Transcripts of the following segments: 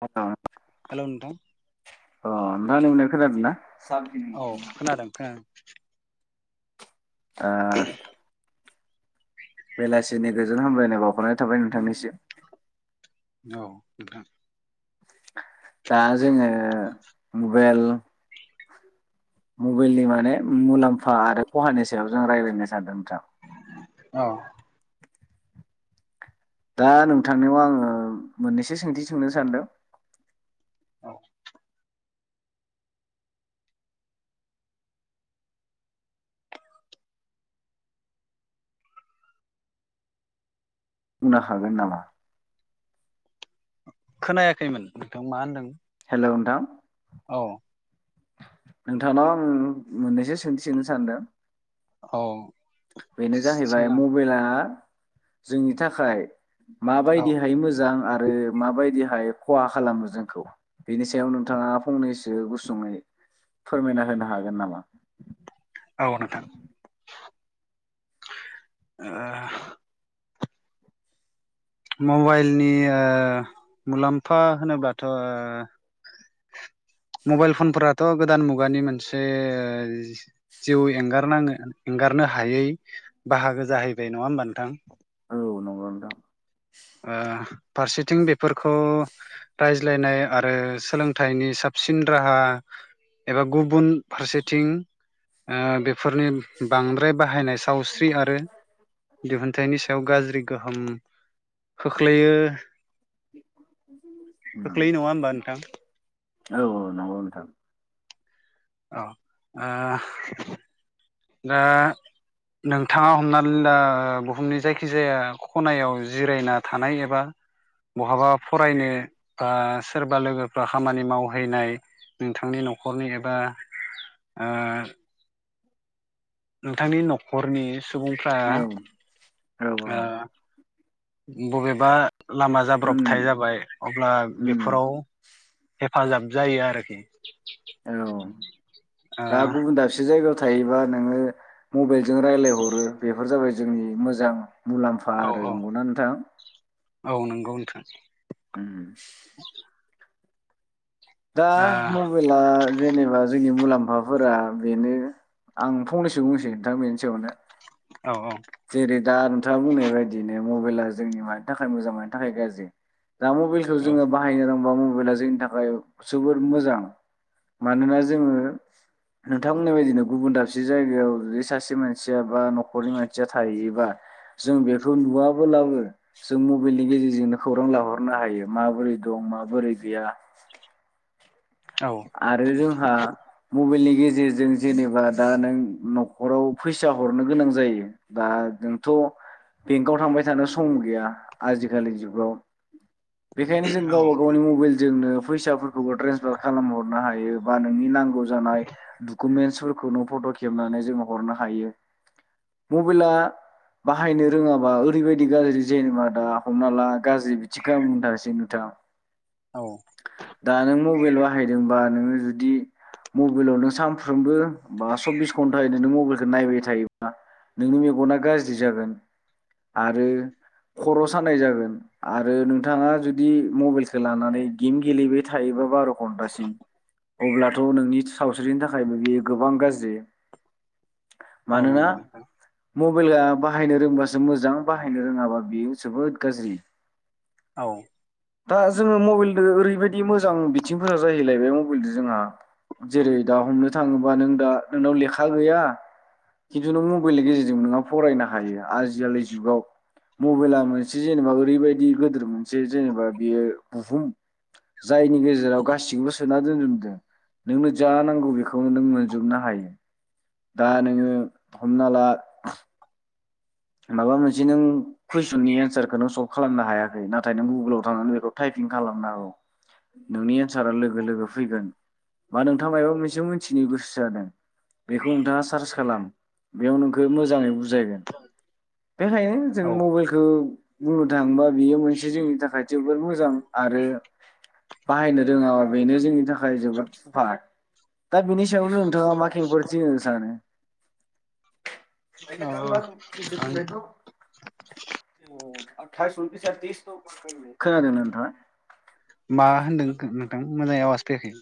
[unintelligible] अ दा हेलौ नोंथां नोंनो खोनादों ना। औ खोनादों खोनादों। आतसा। बेलासिनि गोजोन हामलायनाय बावहरनाय थाबाय नोंथांनिसिम। औ नोंथां। दा जोङो मबेल मबेलनि माने मुलाम्फा आरो खहानि सायाव जों रायलायनो सानदों नोंथां औ दा नोंथांनाव आङो मोननैसो सोंथि सोंनो सानदों औ बुंनो हागोन नामा? खोनायाखैमोन नोंथां मा होनदों? औ नोंथां औ नोंथांनाव आं मोननैसो सोंथि सोनो सानदों औ बेनो जाहैबाय सोंना मबेला जोंनि थाखाय औ माबायदिहाय मोजां आर रो माबायदिहाय खहा खालामो जोंखौ बेनि सायाव नोंथाङा फंनैसो गुसुङै फोरमायना होनो हागोन नामा? औ नोंथां मबाइलनि ओ मुलाम्फा होनोबाथ ओ मबाइल फनफोरा थ गोदान मुगानि मोनसे जिउ एंगारनाङो एंगार हदनो हायै बाहागो जाहैबाय नङा होमबा नोंथां औ नंगौ नोंथां। ओ फारसेथिं बेफोरखौ रायज्लायनाय आरो सोलोंथाइनि साबसिन राहा एबा गुबुन फारसेथिं ओ बे फोरनि बांद्राय बाहायनाय सावस्रि आरो दिहुनथाइनि सायाव गाज्रि गोहोम खोख्लैयो [inaudible] उम खोख्लैयो नङा होमबा नोंथां? औ औ नंगौ नोंथां। अ ओ दा नोंथाङा हमनानै ला बुहुमनि जायखिजाया खनायाव जिरायना थानाय एबा बहाबा फरायनो बा सोरबा लोगोफ्रा खामानि मावहैनाय नोंथांनि नखरनि एबा ओ नोंथांनि न खरनि सुबुंफ्रा औ औ ओ औ बबेबा लामा उम जाब्रबथाय जाबाय अब्ला उम बेफोराव हे फाजाब जायो आरोखि। औ ओ दा गुबुन दाबसे जायगाव थायोबा नोङो मबाइल जों रायजलायहरो बेफोर जाबाय जोंनि मोजां मुलाम्फा औ आरो औ नंगौना नोंथां? औ नंगौ नोंथां। उम। दा ओ मबाइला जेनेबा जोंनि मुला [unintelligible] फोरा बेनो आं फंनैसो बुंसै नोंथां बेनि सायावनो। औ जेरै दा नोंथाङा बुंनाय बायदिनो मबाइला जोंनि मानि थाखाय मोजां मोनानि थाखाय गाज्रि दा मबाइलखौ जोङो बाहायनो रों बा मबाइला जोंनि थाखाय जोबोद मोजां। मानोना जोङो नोंथांमोननि बायदिनो गुबुन दाबसे जायगायाव जुदि सासे मानसिया बा न'खरनि मानसिया थायोबा जों बेखौ नुवाब्लाबो जों मबाइलनि गेजेरजोंनो खौरां लाहरनो हायो माबोरै दं माबोरै गैया। औ आरो जोंहा मबाइलनि गेजेरजों जेनेबा दा नों न'खराव फैसा हरनो गोनां जायो दा नोंथ' बेंकआव थांबाय थानो सम गैया आजिखालि जुगाव। बेखायनो जों गावबा गावनि मबाइलजोंनो फैसाफोरखौबो ट्रेन्सफार खालाम हरनो हायो बा नोंनि नांगौ जानाय डकुमेन्टसफोरखौ नों फट' खेबनानै जों हरनो हायो। मबाइला बाहायनो रोङाबा ओरैबायदि गाज्रि जेनेबा दा हमना ला गाज्रि बिथिंखो आं बुंनो थांसै नोंथां। औ दा नों मबाइल होनबा नोङो जुदि मबाइलाव नों सानफ्रामबो बा सब्बिस घन्टायै नों मबाइल खौ नायबाय थायोबा नोंनि मेगना गाज्रि जागोन। आरो खर' सानाय जागोन आरो नोंथाङा जुदि मबाइलखौ लानानै गेम गेलेबाय थायोबा बार घन्टासिम अब्लाथ' नोंनि सावस्रिनि थाखायबो बेयो गोबां गाज्रि। औ नंगौ नोंथां। बाइला बाहायनो रोंबासो मोजां बाहायनो रोङाबा बेयो जोबोद गाज्रि। औ। दा जोङो मबाइलदो ओरैबायदि मोजां बि थिंफोरा जाहैलायबाय मबाइलजों जोंहा जेरै दा हमनो थाङोबा नों दा नोंनाव लेखा गैया खिन्थु नों मबाइलनि गेजेरजों नोंहा फरायनो हायो। आजिखालि जुगाव मबाइला मोनसे जेनेबा ओरैबायदि गिदोर मोनसे जेनेबा बेयो बुहुम जायनि गेजेराव गासिखौबो सोना दोनजोबदों। नोंनो जा नांगौ बेखौनो नों मोनजोबनो हायो। दा नोङो हमना ला माबा मोनसे नों कुइसननि एन्सारखौनो सल्भ खालामनो हायाखै। नाथाय नों गुगोलाव थांनानै बेखौ टाइपिं खालामनो हागौ नोंनि एन्सारा लोगो लोगो फैगोन। बा नोंथाङा मायबा मोनसे मिथिनो गोसो जादों बेखौ नोंथाङा सार्च खालाम बेयाव नोंखौ मोजाङै बुजायगोन। बेखायनो जों औ ओ मबाइलखौ बुंनो थाङोबा बेयो मोनसे जोंनि थाखाय जोबोर मोजां आरो बाहायनो रोङाबा बेनो जोंनि थाखाय जोबोद सुपार दा बेनि सायावनो नोंथाङा मा खेंफोरथि होनो सानो? अ अ। [unintelligible] [unintelligible] खोनादों ना नोंथाङा। मा होनदों खो नोंथां मोजाङै आवाज फैयाखै।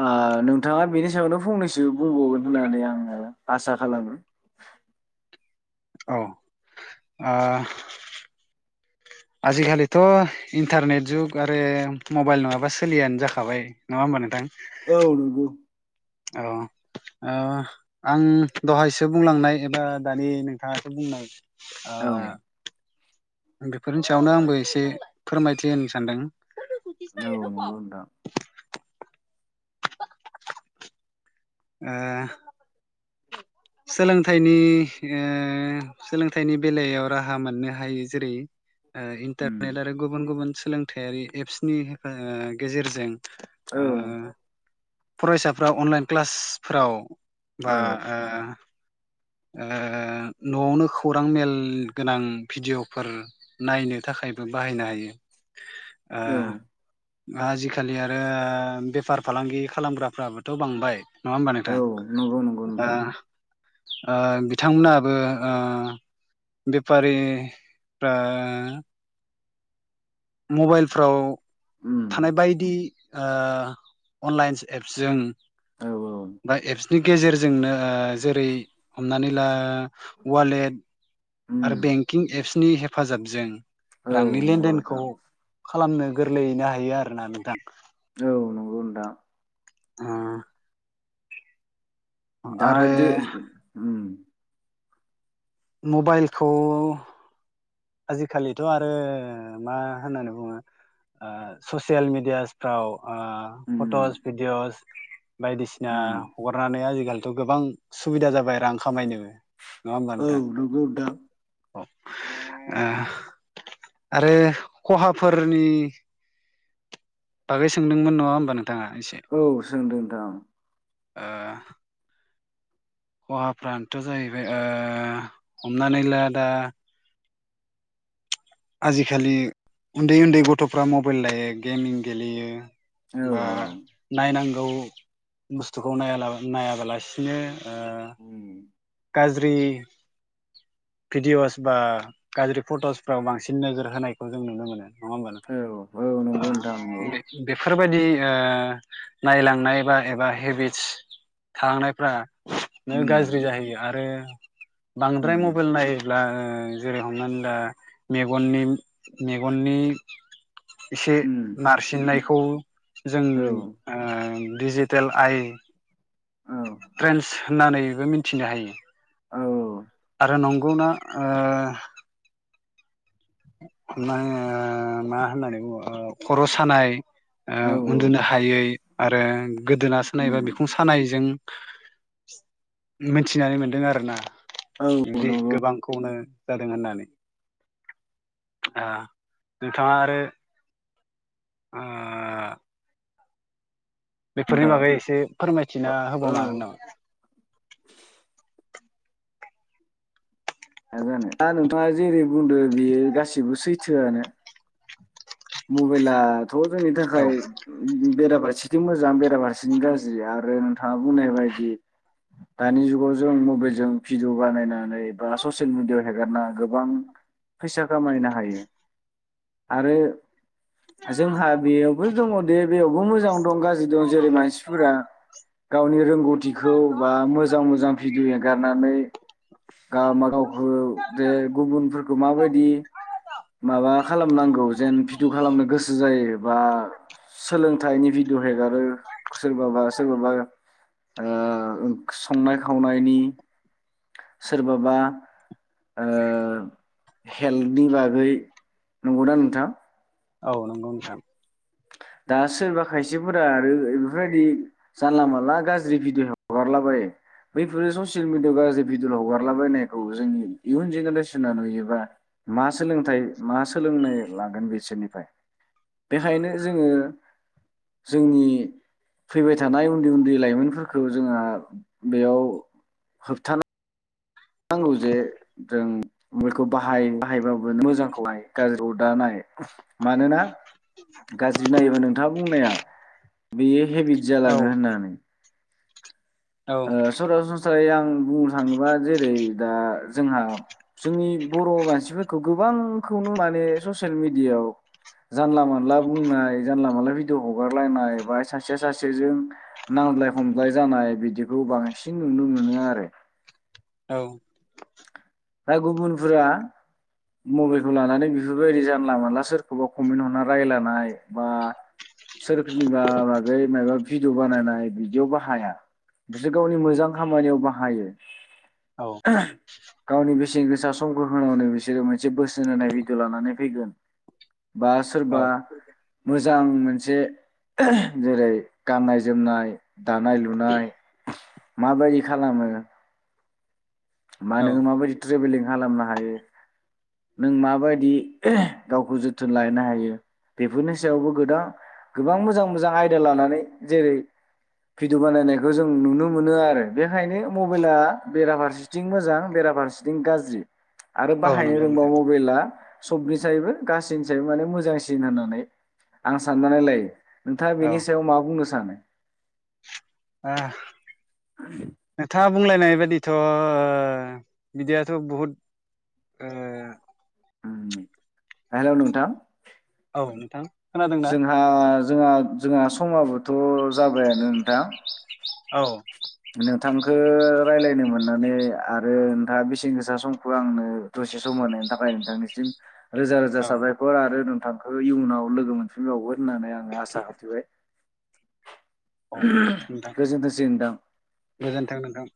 ओ नोंथाङा बेनि सायावनो फंनैसो बुंबावगोन होननानै आङो आसा खालामो। औ ओ आजिखालिथ' इन्टारनेट जुग आरो मबाइल नङाबा सोलियानो जाखाबाय नङा होमबा नोंथां। औ नंगौ औ ओ आं दहायसो बुंलांनाय एबा दानि नोंथाङासो बुंनाय आ औ बेफोरनि सायावनो आंबो एसे फोरमायथि होनो सानदों नंगौ नोंथां [unintelligible] ओ सोलोंथाइनि ओ सोलोंथाइनि बेलायाव राहा मोननो हायो जेरै ओ उम इन्टारनेट आरो गुबुन गुबुन लोंथायारि एप्सनि हेफा गेजेरजों औ ओ फरायसाफ्रा अनलाइन क्लासफोराव बा औ ओ ओ न'आवनो खौरां मेल गोनां भिडिय'फोर नायनो थाखायबो बाहायनो हायो। औ ओ आजिखालि आरो बेफार फालांगि खालामग्राफ्राबोथ' बांबाय नङा होमबा नोंथां औ नंगौ नंगौ ओ नोंथां ओ बिथांमोनाबो ओ बेफारि ओ मबाइलफ्राव उम थानाय बायदि ओ अनलाइन एप्सजों औ बा एफ्स नि गेजेरजोंनो ओ जेरै हमनानै दा वालेट आरो उम बेंकिं एप्स नि हेफाजाबजों औ रांनि नंगौ लेनदेनखौ नोंथां खालामनो गोरलैनो हायो आरोना नोंथां नोंगौ नोंथां उम दाद मबाइलखौ आजिखालिथ' आरो मा होननानै बुंङो ससियेल मिेडियाफ्राव ओ उम फट'स भिडिअस बायदिसिना उम हगारनानै आजिखालि गोबां सुबिदा जाबाय रां खामायनोबो औ नगौ दा अ आरो खहाफोरनि बागै सोंदोंमोन नङा होमबा नों औ सोंदों नोंथां ओ खहाफ्रानोथ' जाहैबाय ओ हमनानै ला दा आजिखालि उन्दै उन्दै गथ'फ्रा मबाइल लायो गेमिं गेलेयो औ बा औ नायनांगौ गौ बुस्थुखौ नाया नायाबालासिनो ओ उम गाज्रि भिडिअ'स बा गाज्रि फट'सफ्राव बांसिन नोजोर होनायखौ जों नुनो मोनो होमबा औ औ नंगौ नोंथां औ बेफोरबायदि ओ नायलांनाय बा एबा हेबिटस थालांनायफ्रा नै उम गाज्रि जाहैयो आरोे बांद्राय उम मबाइल नाय्ला जेरै हमनानै ला मेगननि मेगननि एसे उम नारसिननायखौ जों औ ओ डिजिटेल आइ औ ट्रेन्स होननानैबो मिन्थिनो हायो औ आरो नंगौना ओ माने मा होननानै बुङो खर' सानाय ओ औ उन्दुनो हायै आरो गोदोना सानायबा उम बिखुं सानायजों मिथिनानै मोनदों आरो ना औ बि नंगौ गोबांखौनो जा दोनो होननानै ओ नोंथाङा आरो ओ बेफोरनि नोंथां बागै एसे फोरमायथिना औ होबावनो हागोन नामा जानो दा नोंथाङा जेरै बुंदो बेयो गासिबो सैथोआनो मबाइला थ जोंनि हागोन नामा थाखाय औ बेराफारसेथिं मोजां बेराफारसेथि गाज्रि आरो नोंथाङा बुंनाय बायदि दानि जुगाव जों मबाइल जों भिडिअ बानायनानै बा ससियेल मिडियाआव हेगारना गोबां फैसा खामायनो हायो आरो जोंहा बेयावबो दङ दे बेयावबो मोजां दं गाज्रि दं जेरै मानसिफोरा गावनि रोंगौथिखौ बा मोजां मोजां भिडिअ एगारनानै गाव म गावखौ जे गुबुनफोरखौ माबायदि माबा खालामनांगौ जेन भिडु खालामनो गोसो जायो। बा सोलोंथाइनि बि भिडिय हगारो सोरबाबा सोरबाबा। संनाय खावनायनि सोरबाबा। हेल्थनि बागै नंगौना नोंथां। औ नंगौ नोंथां। दा सोरबा खायसेफोरा आरो, बेफोरबायदि जानला मानला गाज्रि भिडिय' हगारलाबायो बैफोरो ससियेल भिडियआव गाज्रि भिडियअ हगारलाबायनायखौ जोंनि इयुन जेनेरेसना नुयोबा मा सोलोंथाइ मा सोलोंनाय लागोन बिसोरनिफ्राय बे बेखायनो जोङो जोंनि फैबाय थानाय उन्दै उन्दै लाइमोनफोरखौ जोंहा बेयाव होबथानो। नांगौ जे, जों मबायलखौ बाहाय बाहायबाबो मोजांखौहायो गाज्रिखौ दा नाय। मानोना गाज्रि नायोबा नोंथाङा बुंनाया बे हेबिट औ जालाङो होननानै। औ ओ सरासनसृरा नाथाय आं बुंनो थाङोबा जेरै दा, जोंहा जोंनि बर' मानसिफोरखौ गोबांखौनो माने ससियेल मिेडियाआव जानला मानला बुंनाय जानला मोनानला भिदिअ हगारलायनाय बा सासेया सासेजों नांज्लाय खमज्लाय जानाय बिदि बेखौ बांसिन नुनो मोनो आरो। औ दा गुबुनफोरा मबाइलखौ लानानै बेफोरबायदि जानला मानला सोरखौबा कमेन्ट हरना रायलायनाय बा सोरनिबा माबै माबा भिडिअ बानायनाय बिदियाव बाहाया बिसोर गावनि मोजां खामानियाव बाहायो। औ गावनि बेसेन गोसा समखौ होनानैनो बिसोरो मोनसे, बोसोन होनाय भिडिअ लानानै फैगोन बा औ सोरबा मोजां मोनसे जेरै गाननाय जोमनाय दानाय लुनाय माबायदि खालामो। मा औ नोङो माबायदि ट्रेभेलिं खालामनो हायो, नों माबायदि गावखौ जोथोन लाहनो हायो? बेफोरनि सायावबो गोबां गोबां मोजां मोजां आयदा लानानै जेरै भिडिअ बानायनायखौ जों नुनो मोनो आरो बेखायनो मबाइला बेराफारसे। थिं मोजां बेराफारसेथिं गाज्रि। आरो औ बाहायनो नंगौ रोंबा नोंथां मबाइला। सबनि सैबो गासैनि सायबो माने मोजांसिन होननानै आं साननानै लायोह नोंथाङा औ बेनि सायाव मा बुंनो सानो? ओ। नोंथां। बुंलायनाय बादिथ' बिदियाथ' बहुद हेल' नोंथां। औ नोंथां। खोनादोंना जोंहा जोंहा। जोंहा समाबोथ' जाबायानो नोंथां। औ। नोंथांखौ रायलायनो मोननानै आरो नोंथाङा बेसेन गोसा समखौ आंनो दसे सम होनायनि थाखाय नोंथांनिसिम रोजा- रोजा औ साबायखर आरो नोंथां थांखो इयुनाव लोगो मोनफिनबावगोन होननानै आं आसाम हाबथिबायाय। औ नोंथां गोजोनथोंसै नोंथां। गोजोन्थों नोंथां।